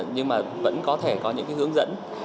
nhưng mà vẫn có thể có những hướng dẫn